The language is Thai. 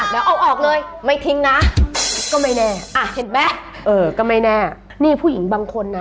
แล้วคุยกับหมอแล้วแอบไปทำ